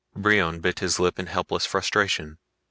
Brion bit his lip in helpless frustration.